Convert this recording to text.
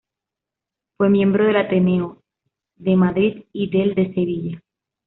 Fue miembro del Ateneo de Madrid y del de Sevilla.